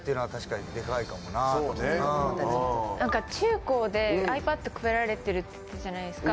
中高でｉＰａｄ配られてるって言ってたじゃないですか。